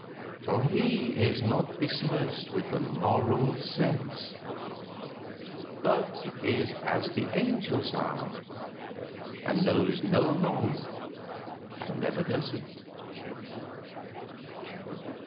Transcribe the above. For he is not besmirched with the Moral Sense, but is as the angels are, and knows no wrong, and never does it."